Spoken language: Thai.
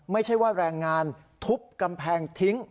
ไม่ใช่ว่าแรงงานทุบกำแพงทิ้ง